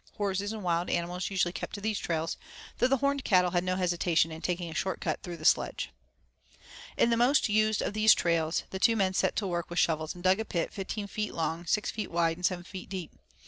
Horses and wild animals usually kept to these trails, though the horned cattle had no hesitation in taking a short cut through the sedge. In the most used of these trails the two men set to work with shovels and dug a pit 15 feet long, 6 feet wide and 7 feet deep.